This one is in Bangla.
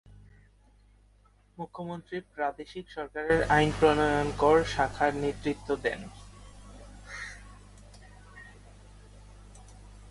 মুখ্যমন্ত্রী প্রাদেশিক সরকারের আইন-প্রণয়নকর শাখার নেতৃত্ব দেন।